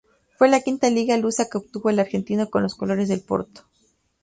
Fue la quinta liga lusa que obtuvo el argentino con los colores del Porto.